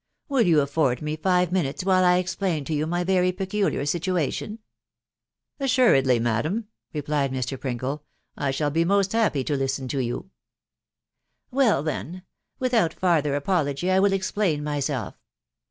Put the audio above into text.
Will you afford me fiye minutes while I explain to you my very peculiar situation ?"" Assuredly, madam/' replied Mr. Pringle, " I shall be most happy to listen to you." " Well, then .... without farther apology I will explain myself.